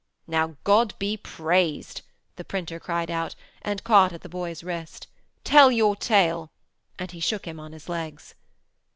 'Now God be praised,' the printer cried out, and caught at the boy's wrist. 'Tell your tale!' and he shook him on his legs.